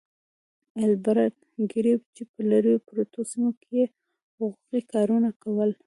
ايلبرټ ګيري چې په لرې پرتو سيمو کې يې حقوقي کارونه کول.